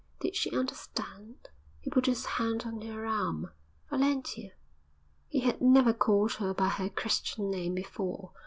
Did she understand? He put his hand on her arm. 'Valentia!' He had never called her by her Christian name before.